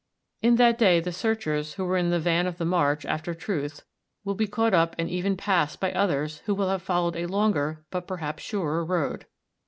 In that day the searchers who were in the van of the march after truth will be caught up and even passed by others who will have followed a longer, but perhaps surer road.